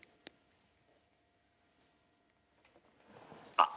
あっ。